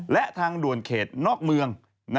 และทางด่วนเขตนอกเมือง